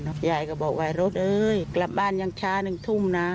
เวีราชยายก็บอกไวกรถเออกลับบ้านยังช้า๑ทุ่มนะ